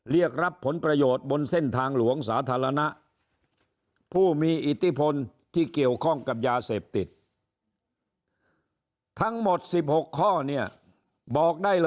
เรียกรับผลประโยชน์บนเส้นทางหลวงสาธารณะผู้มีอิทธิพลที่เกี่ยวข้องกับยาเสพติด